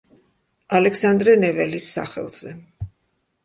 ალექსანდრე ნეველის სახელზე.